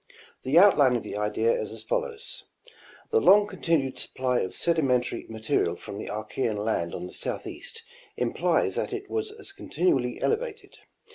The outline of the idea is as follows. The long con tinued supply of sedimentary material from the Archean land on the southeast implies that it was as continually elevated.